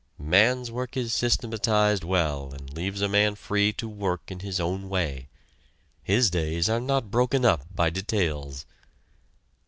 Man's work is systematized well and leaves a man free to work in his own way. His days are not broken up by details.